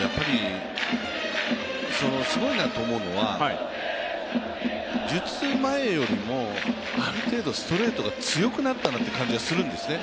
やっぱりすごいなと思うのは、術前よりもある程度ストレートが強くなったなという感じがするんですね。